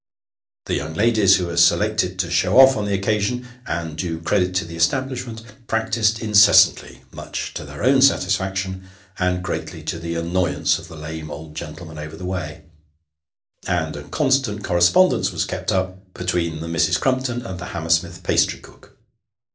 The young ladies who were selected to show off on the occasion, and do credit to the establishment, practised incessantly, much to their own satisfaction, and greatly to the annoy ance of the lame old gentleman over the way; and a constant corre spondence was kept up between the Misses Crumpton and the Ham mersmith pastrycook.